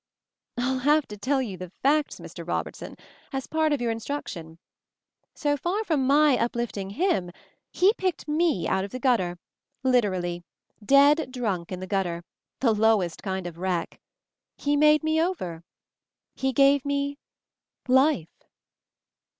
"Ill have to tell you the facts, Mr. Rob ertson, as part of your instruction. So far from my uplifting him, he picked me out of the gutter, literally, dead drunk in the gut ter, the lowest kind of wreck. He made me over. He gave me — Life."